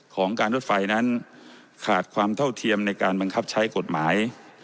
ของการรถไฟนั้นขาดความเท่าเทียมในการบังคับใช้กฎหมาย